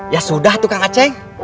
ya sudah tuh kang aceh